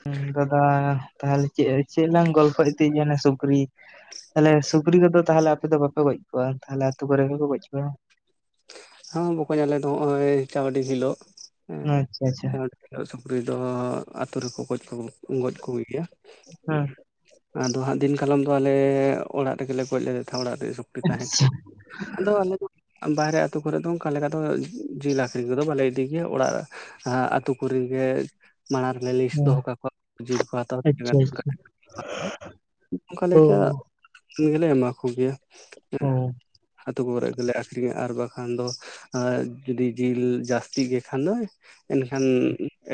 ᱦᱩ ᱫᱟᱫᱟ ᱛᱟᱦᱚᱞᱮ ᱪᱮᱜ ᱪᱮᱜ ᱞᱟᱝ ᱜᱚᱞᱯᱷᱚ ᱭᱮᱫ ᱛᱟᱸᱦᱮᱜ ᱡᱮᱱᱚ ᱥᱩᱠᱨᱤ ᱛᱟᱦᱞᱮ ᱥᱩᱠᱨᱤ ᱠᱚᱫᱚ ᱛᱟᱦᱚᱞᱮ ᱟᱯᱮ ᱫᱚ ᱵᱟᱯᱮ ᱜᱚᱡ ᱠᱚᱣᱟ ᱛᱟᱦᱚᱞᱮ ᱟᱹᱛᱩ ᱠᱚᱨᱮ ᱜᱮᱠᱚ ᱜᱚᱡ ᱠᱚᱣᱟ? ᱦᱚᱸ ᱵᱚᱠᱚᱧ ᱟᱞᱮ ᱫᱚ ᱦᱚᱜᱼᱚᱭ ᱪᱟᱹᱣᱰᱤ ᱦᱤᱞᱳᱜ ᱟᱪᱪᱷᱟ ᱟᱪᱪᱷᱟ ᱦᱮᱸ ᱥᱩᱠᱨᱤ ᱫᱚ ᱟᱹᱛᱩ ᱨᱮᱠᱚ ᱜᱚᱡ ᱠᱚ ᱜᱚᱡ ᱠᱚᱜᱮ ᱜᱮᱭᱟ᱾ ᱦᱮᱸ ᱟᱫᱚ ᱦᱟᱸᱜ ᱫᱤᱱ ᱠᱟᱞᱚᱢ ᱫᱚ ᱟᱞᱮ ᱚᱲᱟᱜ ᱨᱮᱜᱮ ᱞᱮ ᱜᱚᱡ ᱞᱮᱫᱮ ᱛᱟᱸᱦᱮᱫ ᱚᱲᱟᱜ ᱨᱮᱜᱮ ᱥᱚᱠᱨᱤ ᱛᱟᱦᱮᱸ ᱟᱪᱪᱷᱟ ᱠᱟᱱᱟᱭ ᱟᱫᱚ ᱟᱞᱮ ᱫᱚ ᱵᱟᱦᱨᱮ ᱟᱹᱛᱩ ᱠᱚᱨᱮᱜ ᱫᱚ ᱚᱱᱠᱟ ᱞᱮᱠᱟ ᱫᱚ ᱡᱤᱞ ᱟᱠᱷᱨᱤᱧ ᱠᱚᱫᱚ ᱵᱟᱞᱮ ᱤᱫ ᱫᱤ ᱜᱮᱭᱟ, ᱚᱲᱟᱜ ᱟᱹᱛᱩ ᱠᱚᱨᱮᱱ ᱜᱮ ᱢᱟᱲᱟᱝ ᱨᱮᱞᱮ ᱞᱤᱥᱴ ᱦᱮᱸ ᱫᱚᱦᱚ ᱠᱟᱠᱚᱣᱟ ᱡᱤᱞ ᱠᱚ ᱦᱟᱛᱟᱣ ᱟᱪᱪᱷᱟ ᱟᱪᱪᱷᱟ [inaudible] ᱚᱱᱠᱟ ᱳ ᱞᱮᱠᱟ ᱜᱮᱞᱮ ᱮᱢᱟ ᱠᱚᱜᱮᱭᱟ ᱦᱮᱸ ᱳ ᱟᱹᱛᱩ ᱠᱚᱨᱮᱜ ᱜᱮᱞᱮ ᱟᱠᱷᱨᱤᱧᱟ ᱟᱨ ᱵᱟᱠᱷ ᱠᱷᱟᱱ ᱫᱚ ᱡᱩᱫᱤ ᱡᱤᱞ ᱡᱟᱹᱥᱛᱤ ᱜᱮ ᱠᱷᱟᱱ ᱫᱚ ᱮᱱᱠᱷᱟᱱ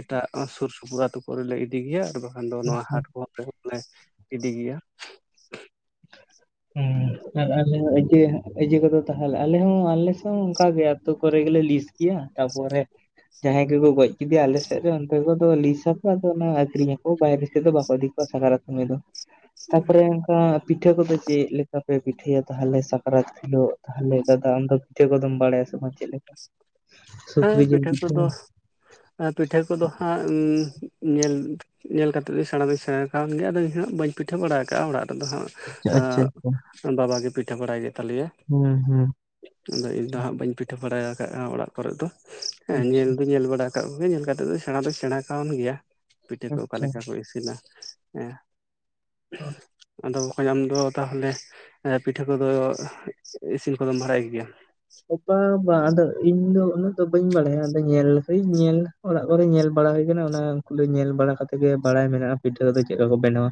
ᱮᱴᱟᱜ ᱥᱩᱨ ᱥᱩᱯᱩᱨ ᱟᱛᱩ ᱠᱚᱨᱮᱞᱮ ᱤᱫᱤ ᱜᱮᱭᱟ ᱟᱨ ᱵᱟᱝ ᱠᱷᱟᱱ ᱫᱚ ᱱᱚᱣᱟ ᱦᱟᱴ ᱠᱚ ᱨᱮ ᱞᱮ ᱤᱫᱤ ᱜᱮᱭᱟ᱾ ᱦᱩᱸ ᱟᱨ ᱟᱞᱮ ᱦᱚᱸ ᱮᱡᱮ ᱮᱡᱮ ᱠᱚᱫᱚ ᱛᱟᱦᱚᱞᱮ ᱟᱞᱮ ᱦᱚᱸ ᱟᱞᱮᱥᱮᱜ ᱦᱚᱸ ᱚᱝᱠᱟ ᱜᱮ ᱟᱹᱛᱳ ᱠᱚᱨᱮ ᱜᱮᱞᱮ ᱞᱤᱥ ᱠᱤᱭᱟ ᱛᱟᱯᱚᱨᱮ ᱡᱟᱦᱟᱸᱭ ᱜᱮᱠᱚ ᱜᱚᱡ ᱠᱤᱫᱤᱭᱟ ᱟᱞᱮᱥᱮᱫ ᱫᱚ ᱩᱱᱠᱩ ᱠᱚᱫᱚ ᱞᱤᱥ ᱟᱠᱚ ᱟᱫᱚ ᱚᱱᱟ ᱟᱠᱷᱨᱤᱧ ᱟᱠᱚ ᱵᱟᱭᱨᱮ ᱥᱮᱜ ᱫᱚ ᱵᱟᱠᱚ ᱤᱫᱤ ᱠᱚ ᱥᱟᱠᱨᱟᱛ ᱥᱚᱢᱚᱭ ᱫᱚ [inaudible] ᱛᱯᱚᱨᱮ ᱚᱝᱠᱟ ᱯᱤᱴᱷᱟᱹ ᱠᱚᱫᱚ ᱪᱮᱜ ᱞᱮᱠᱟ ᱯᱮ ᱯᱤᱴᱷᱟᱹᱭᱟ ᱛᱟᱦᱚᱞᱮ ᱥᱟᱠᱨᱟᱛ ᱷᱤᱞᱳᱜ ᱛᱟᱦᱚᱞᱮ ᱫᱟᱫᱟ ᱟᱢ ᱫᱚ ᱯᱤᱴᱷᱟᱹ ᱠᱚᱫᱚᱢ ᱵᱟᱲᱟᱭᱟ ᱥᱮ ᱵᱟᱝ ᱪᱮᱫ ᱞᱮᱠᱟ ᱥᱩᱠᱨᱤ ᱡᱤᱞ ᱯᱤᱴᱷᱟᱹ? ᱟ ᱯᱤᱴᱷᱟᱹ ᱠᱚᱫᱚ ᱦᱟᱸᱜ ᱩᱸ ᱧᱮᱞ ᱧᱮᱞ ᱠᱟᱛᱮᱫ ᱫᱚᱧ ᱥᱮᱬᱟ ᱫᱚᱧ ᱥᱮᱬᱟ ᱠᱟᱣᱟᱱ ᱜᱮᱭᱟ ᱟᱫᱚ ᱤᱧ ᱦᱚᱸ ᱵᱟᱹᱧ ᱯᱤᱴᱷᱟᱹ ᱵᱟᱲᱟ ᱠᱟᱜᱼᱟ ᱚᱲᱟᱜ ᱨᱮᱫᱚ ᱦᱟᱸᱜ᱾ ᱟᱪᱪᱷᱟ ᱟᱪᱪᱷᱟ ᱦᱮᱸ ᱵᱟᱟᱵᱟ ᱜᱮ ᱯᱤᱴᱷᱟᱹ ᱵᱟᱲᱟᱭ ᱜᱮ ᱛᱟᱞᱮᱭᱟᱭ᱾ ᱦᱩᱸ ᱦᱩᱸ᱾ ᱟᱫᱚ ᱤᱧ ᱫᱚ ᱦᱟᱸᱜ ᱵᱟᱹᱧ ᱯᱤᱴᱷᱟᱹ ᱵᱟᱲᱟ ᱟᱠᱟᱜᱼᱟ ᱚᱲᱟᱜ ᱠᱚᱨᱮᱜ ᱫᱚ᱾ ᱦᱮᱸ ᱟᱪᱪᱷᱟ ᱧᱮᱞ ᱫᱩᱧ ᱧᱮᱞ ᱵᱟᱲᱟ ᱠᱟᱜ ᱠᱚᱜᱮ ᱧᱮᱞ ᱠᱟᱛᱮ ᱫᱚ ᱥᱮᱬᱟᱸ ᱫᱚᱧ ᱥᱮᱬᱟᱸ ᱟᱠᱟᱣᱟᱱ ᱜᱮᱭᱟ ᱯᱤᱴᱷᱟᱹ ᱠᱚ ᱚᱠᱟ ᱟᱪᱪᱷᱟ ᱞᱮᱠᱟ ᱠᱚ ᱤᱥᱤᱱᱟ᱾ ᱮᱸ᱾ ᱚ᱾ ᱟᱫᱚ ᱵᱚᱠᱚᱧ ᱟᱢ ᱫᱚ ᱛᱟᱦᱚᱞᱮ ᱮ ᱯᱤᱴᱷᱟᱹ ᱠᱚᱫᱚ ᱤᱥᱤᱱ ᱠᱚᱫᱚᱢ ᱵᱷᱟᱲᱟᱭ ᱜᱮᱭᱟ? ᱚ ᱵᱟᱝ ᱵᱟᱝ ᱟᱫᱚ ᱤᱧ ᱫᱚ ᱩᱱᱟᱹᱜ ᱫᱚ ᱵᱟᱹᱧ ᱵᱟᱲᱟᱭᱟ ᱟᱫᱚ ᱧᱮᱞ ᱞᱮᱠᱟᱹᱧ ᱧᱮᱞ᱾ ᱚᱲᱟᱜ ᱠᱚᱨᱮ ᱧᱮᱞ ᱵᱟᱲᱟ ᱦᱩᱭ ᱠᱟᱱᱟ ᱚᱱᱟ ᱩᱱᱠᱩ ᱧᱮ ᱧᱮᱞ ᱵᱟᱲᱟ ᱠᱟᱛᱮ ᱜᱮ ᱵᱟᱲᱟᱭ ᱢᱮᱱᱟᱜᱼᱟ ᱯᱤᱴᱷᱟᱹ ᱠᱚᱫᱚ ᱪᱮᱫᱠᱟ ᱠᱚ ᱵᱮᱱᱟᱣ-ᱟ᱾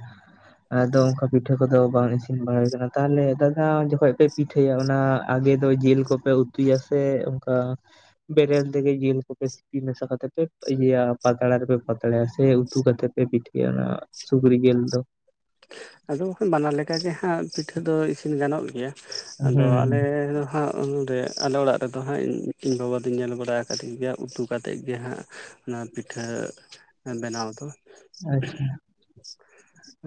ᱟᱫᱚ ᱚᱱᱠᱟ ᱯᱤᱴᱷᱟᱹ ᱠᱚᱫᱚ ᱵᱟᱝ ᱤᱥᱤᱱ ᱵᱟᱲᱟ ᱦᱩᱭ ᱠᱟᱱᱟ᱾ ᱛᱟᱦᱚᱞᱮ ᱫᱟᱫᱟ ᱡᱚᱠᱷᱚᱡ ᱯᱮ ᱯᱤᱴᱷᱟᱹᱭᱟ ᱚᱱᱟ ᱟᱜᱮ ᱫᱚ ᱡᱤᱞ ᱠᱚᱯᱮ ᱩᱛᱩᱭᱟ ᱥᱮ ᱚᱱᱠᱟ ᱵᱮᱨᱮᱞ ᱛᱮᱜᱮ ᱡᱤᱞ ᱠᱚᱯᱮ ᱥᱤᱯᱤ ᱢᱮᱥᱟ ᱠᱟᱛᱮ ᱯᱮ ᱤᱭᱟᱹᱭᱟ ᱯᱟᱛᱲᱟ ᱨᱮᱯᱮ ᱯᱟᱛᱲᱟ ᱭᱟ ᱥᱮ ᱩᱛᱩ ᱠᱟᱛᱮ ᱯᱮ ᱯᱤᱴᱷᱟᱹ ᱠᱤ ᱚᱱᱟ ᱥᱩᱠᱨᱤ ᱡᱮᱞ ᱫᱚ? ᱟᱫᱚ ᱵᱟᱠᱷᱟᱱ ᱵᱟᱱᱟᱨ ᱞᱮᱠᱟ ᱜᱮ ᱦᱟᱸᱜ ᱯᱤᱴᱷᱟᱹ ᱫᱚ ᱤᱥᱤᱱ ᱜᱟᱱᱚᱜ ᱜᱮᱭᱟ᱾ ᱟᱫᱚ ᱟᱞᱮ ᱦᱩᱸ ᱫᱚ ᱦᱟᱸᱜ ᱩᱱᱨᱮ ᱟᱞᱮ ᱚᱲᱟᱜ ᱨᱮᱫᱚ ᱦᱟᱸᱜ ᱤᱧ ᱤᱧ ᱵᱟᱵᱟ ᱫᱩᱧ ᱧᱮᱞ ᱵᱟᱲᱟ ᱟᱠᱟᱫᱮ ᱜᱮᱭᱟ ᱩᱛᱩ ᱠᱟᱛᱮᱜ ᱜᱮ ᱦᱟᱸᱜ ᱱᱚᱣᱟ ᱯᱤᱴᱷᱟᱹ ᱵᱮᱱᱟᱣ ᱫᱚ᱾ ᱟᱪᱪᱷᱟ᱾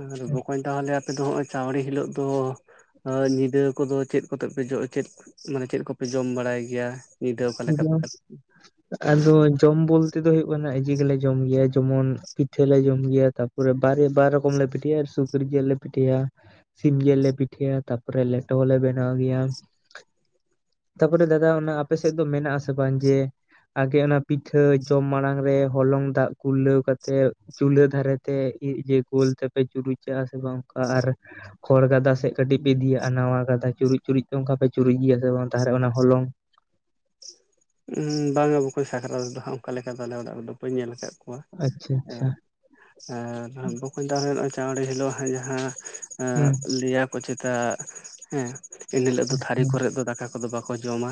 ᱟᱨ ᱵᱚᱠᱚᱧ ᱛᱟᱦᱞᱮ ᱟᱯᱮ ᱫᱚ ᱦᱚᱸᱜᱼᱚᱭ ᱪᱟᱸᱣᱲᱤ ᱦᱤᱞᱳᱜ ᱫᱚ ᱟ ᱧᱤᱫᱟᱹ ᱠᱚᱫᱚ ᱪᱮᱫ ᱠᱚᱛᱮᱯ ᱯᱮ ᱡᱚ ᱪᱮᱫ ᱢᱟᱱᱮ ᱪᱮᱫ ᱠᱚᱯᱮ ᱡᱚᱢ ᱵᱟᱲᱟᱭ ᱜᱮᱭᱟ? ᱧᱤᱫᱟᱹ ᱚᱠᱟ ᱞᱮᱠᱟ ᱯᱮ ᱠᱟᱴ ᱟᱫᱚ ᱡᱚᱢ ᱵᱚᱞᱛᱮ ᱫᱚ ᱦᱳᱭᱳᱜ ᱠᱟᱱᱟ ᱤᱡᱟᱹ ᱜᱮᱞᱮ ᱡᱚᱢ ᱜᱮᱭᱟ ᱡᱮᱢᱚᱱ ᱯᱤᱴᱷᱟᱹ ᱞᱮ ᱡᱚᱢ ᱜᱮᱭᱟ, ᱛᱟᱯᱚᱨᱮ ᱵᱟᱨᱮ ᱵᱟᱨᱚᱢ ᱠᱚᱢ ᱞᱮ ᱯᱤᱴᱟᱹᱭᱟ ᱟᱨ ᱥᱩᱠᱨᱤ ᱡᱮᱞ ᱞᱮ ᱯᱤᱴᱟᱹᱭᱟ᱾ ᱥᱤᱢ ᱡᱮᱞ ᱞᱮ ᱯᱤᱴᱷᱟᱹᱭᱟ, ᱛᱟᱯᱚᱨᱮ ᱞᱮᱴᱚ ᱦᱚᱞᱮ ᱵᱮᱱᱟᱣ ᱜᱮᱭᱟ᱾ ᱛᱟᱯᱚᱨᱮ ᱫᱟᱫᱟ ᱚᱱᱟ ᱟᱯᱮ ᱥᱮᱫ ᱫᱚ ᱢᱮᱱᱟᱜ ᱟᱥᱮ ᱵᱟᱝ ᱡᱮ ᱟᱜᱮ ᱚᱱᱟ ᱯᱤᱴᱷᱟᱹ ᱡᱚᱢ ᱢᱟᱲᱟᱝ ᱨᱮ ᱦᱚᱞᱚᱝ ᱫᱟᱜ ᱠᱩᱞᱟᱹᱣ ᱠᱟᱛᱮᱜ ᱪᱩᱞᱦᱟᱹ ᱫᱷᱟᱨᱮ ᱛᱮ ᱤᱡ ᱡᱮ ᱜᱳᱞ ᱛᱮᱯᱮ ᱪᱩᱨᱩᱪᱟᱜ-ᱟ ᱥᱮ ᱵᱟᱝ? ᱚᱱᱠᱟ ᱟᱨ ᱠᱷᱚᱲ ᱜᱟᱫᱟ ᱥᱮᱫ ᱠᱟᱹᱴᱤᱡ ᱯᱮ ᱤᱫᱤᱭᱟᱼᱟ, ᱟᱨ ᱱᱟᱣᱟ ᱜᱟᱫᱟ ᱪᱩᱨᱩᱡ ᱪᱩᱨᱩᱡ ᱛᱮ ᱚᱱᱠᱟ ᱯᱮ ᱪᱩᱨᱩᱡᱤᱡ ᱜᱮᱭᱟ ᱥᱮ ᱵᱟᱝ ᱛᱟᱦᱚᱞᱮ ᱚᱱᱟ ᱦᱚᱞᱚᱝ? ᱩᱦᱩᱸ ᱵᱟᱝ ᱵᱚᱠᱚᱧ ᱥᱟᱠᱨᱟᱛ ᱨᱮᱫᱚ ᱦᱟᱸᱜ ᱚᱱᱠᱟ ᱞᱮᱠᱟ ᱫᱚ ᱟᱞᱮ ᱚᱲᱟᱜ ᱨᱮᱫᱚ ᱵᱟᱹᱧ ᱧᱮᱞ ᱟᱠᱟᱫ ᱠᱚᱣᱟ ᱟᱪᱪᱷᱟ ᱟᱪᱪᱷᱟ ᱦᱮᱸ᱾ ᱟᱨ ᱫᱟ ᱦᱟᱸᱜ ᱵᱟᱠᱚᱧ [unintelligible] ᱪᱟᱣᱬᱮᱸ ᱦᱤᱞᱳᱜ ᱦᱟᱸᱜ ᱡᱟᱦᱟᱸ ᱟᱸ ᱦᱩᱸ ᱞᱟᱹᱭᱟ ᱠᱚ ᱪᱮᱛᱟ ᱦᱮᱸ ᱮᱱ ᱦᱤᱞᱳᱜ ᱫᱚ ᱛᱷᱟᱹᱨᱤ ᱦᱩᱸ ᱠᱚᱨᱮᱜ ᱫᱚ ᱫᱟᱠᱟ ᱠᱚᱫᱚ ᱵᱟᱠᱚ ᱡᱚᱢᱟ᱾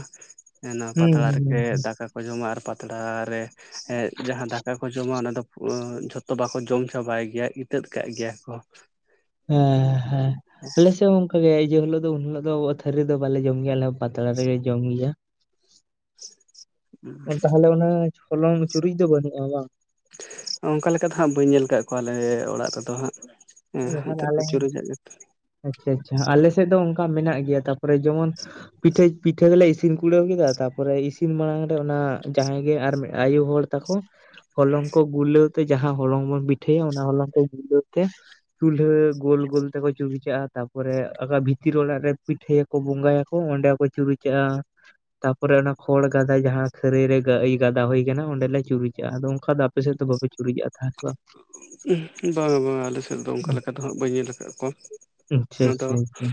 ᱮ ᱱᱚᱣᱟ ᱦᱩᱸ ᱯᱟᱛᱲᱟ ᱦᱩᱸ ᱨᱮᱠ ᱦᱩᱸ ᱫᱟᱠᱟ ᱠᱚ ᱡᱚᱢᱟ ᱟᱨ ᱯᱟᱛᱲᱟ ᱨᱮ ᱮᱜ ᱡᱟᱦᱟᱸ ᱫᱟᱠᱟ ᱠᱚ ᱡᱚᱢᱟ ᱚᱱᱟ ᱫᱚ ᱡᱷᱚᱛᱚ ᱛᱚ ᱵᱟᱠᱚ ᱡᱚᱢ ᱪᱟᱵᱟᱭ ᱜᱮᱭᱟ ᱤᱛᱟᱹᱫ ᱠᱟᱜ ᱜᱮᱭᱟ ᱠᱚ᱾ ᱦᱮᱸ ᱦᱮᱸ ᱦᱮᱸ ᱟᱞᱮ ᱥᱮᱫ ᱦᱚᱸ ᱚᱱᱠᱟ ᱜᱮ ᱤᱭᱟᱹ ᱦᱤᱞᱳᱜ ᱫᱚ, ᱩᱱ ᱦᱤᱞᱳᱜ ᱫᱚ ᱟᱵᱚᱣᱟᱜ ᱛᱷᱟᱹᱨᱤ ᱨᱮ ᱫᱚ ᱵᱟᱞᱮ ᱡᱚᱢ ᱜᱮᱭᱟ ᱟᱞᱮ ᱦᱚᱸ᱾ ᱯᱟᱛᱲᱟ ᱨᱮᱜᱮ ᱡᱚᱢ ᱜᱮᱭᱟ᱾ [inaudible] ᱚ ᱛᱟᱦᱚᱞᱮ ᱚᱱᱟ ᱦᱚᱞᱚᱝ ᱪᱩᱨᱩᱡ ᱫᱚ ᱵᱟᱹᱱᱩᱜᱼᱟ ᱵᱟᱝ? ᱚᱱᱠᱟ ᱞᱮᱠᱟ ᱫᱚ ᱦᱟᱸᱜ ᱵᱟᱹᱧ ᱧᱮᱞ ᱠᱟᱜ ᱠᱚᱣᱟ ᱟᱞᱮ ᱚᱲᱟᱜ ᱨᱮᱫᱚ ᱦᱟᱸᱜ᱾ ᱦᱮᱸ ᱩᱱ ᱡᱚᱠᱷᱟᱱ ᱱᱮᱛᱟᱨ ᱠᱚ ᱟᱞᱮ᱾ ᱪᱩᱨᱩᱡᱟᱜ ᱜᱮᱛᱮ ᱟᱪᱪᱷᱟ ᱟᱪᱪᱷᱟ ᱟᱞᱮ ᱥᱮᱫ ᱫᱚ ᱚᱱᱠᱟ ᱢᱮᱱᱟᱜ ᱜᱮᱭᱟ ᱛᱟᱯᱚᱨᱮ ᱡᱮᱢᱚᱱ ᱯᱤᱴᱷᱟᱹ, ᱯᱤᱴᱷᱟᱹ ᱜᱮᱞᱮ ᱤᱥᱤᱱ ᱠᱩᱲᱟᱹᱣ ᱠᱮᱫᱟ ᱛᱟᱯᱚᱨᱮ ᱤᱥᱤᱱ ᱢᱟᱲᱟᱝ ᱨᱮ ᱚᱱᱟ ᱡᱟᱦᱟᱸᱭ ᱜᱮ ᱟᱨ ᱢᱤᱫ ᱟᱭᱳ ᱦᱚᱲ ᱛᱟᱠᱚ ᱦᱚᱞᱚᱝ ᱠᱚ ᱜᱩᱞᱟᱹᱣ ᱛᱮ ᱡᱟᱦᱟᱸ ᱦᱚᱞᱚᱝ ᱵᱚᱱ ᱯᱤᱴᱷᱟᱹᱭᱟ ᱚᱱᱟ ᱦᱚᱞᱚᱝ ᱛᱮ ᱜᱩᱞᱟᱹᱣ ᱛᱮ ᱪᱩᱞᱦᱟᱹ ᱜᱳᱞ ᱜᱳᱞ ᱛᱮᱠᱚ ᱪᱩᱨᱩ ᱪᱟᱜᱼᱟ ᱛᱟᱯᱚᱨᱮ ᱟᱠᱟ ᱵᱷᱤᱛᱤᱨ ᱚᱲᱟᱜ ᱨᱮ ᱯᱤᱴᱷᱟᱹᱣᱟᱠ ᱠᱚ ᱵᱚᱸᱜᱟ ᱭᱟᱠᱚ ᱚᱸᱰᱮ ᱦᱚᱸ ᱠᱚ ᱪᱩᱨᱩᱪᱟᱜᱼᱟ᱾ ᱛᱟᱯᱚᱨᱮ ᱚᱱᱟ ᱠᱷᱚᱲ ᱜᱟᱫᱟ ᱡᱟᱦᱟᱸ ᱠᱷᱟᱹᱨᱟᱹᱭ ᱨᱮ ᱜᱟ ᱤᱭᱟᱹ ᱜᱟᱫᱟ ᱦᱩᱭ ᱟᱠᱟᱱᱟ, ᱚᱸᱰᱮ ᱞᱮ ᱪᱩᱨᱩᱪᱟᱜᱼᱟ᱾ ᱟᱫᱚ ᱚᱱᱠᱟ ᱫᱚ ᱟᱯ ᱟᱯᱮᱥᱮᱫ ᱫᱚ ᱵᱟᱯᱮ ᱪᱩᱨᱤᱡᱟᱜᱼᱟ ᱛᱟᱦᱮᱸ ᱠᱚᱜᱼᱟ ᱾ ᱵᱟᱝ-ᱟ ᱵᱟᱝ-ᱟ ᱟᱞᱮ ᱥᱮᱫ ᱫᱚ ᱚᱱᱠᱟ ᱞᱮᱠᱟ ᱫᱚ ᱦᱟᱸᱜ ᱵᱟᱹᱧ ᱧᱮᱞ ᱟᱠᱟᱫ ᱠᱚᱣᱟ ᱟᱪᱪᱷᱟ ᱾ ᱟᱫᱚ ᱟᱪᱪᱷᱟ ᱟᱪᱪᱷᱟ